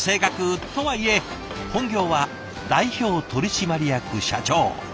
とはいえ本業は代表取締役社長。